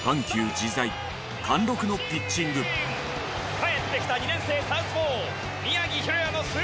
帰ってきた２年生サウスポー。